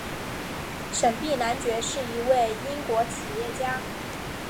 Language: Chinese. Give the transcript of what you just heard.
沈弼男爵是一位英国企业家。